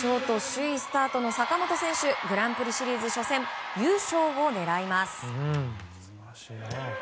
首位スタートの坂本選手グランプリシリーズ初戦優勝を狙います。